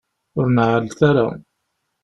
Ur neɛɛlet ara.